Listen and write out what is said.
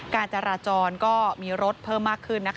การจราจรก็มีรถเพิ่มมากขึ้น